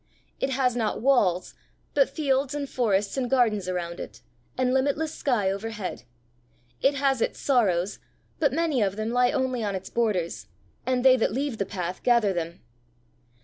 It has not walls, but fields and forests and gardens around it, and limitless sky overhead. It has its sorrows, but many of them lie only on its borders, and they that leave the path gather them.